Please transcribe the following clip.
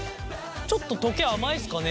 ちょっと溶け甘いっすかね？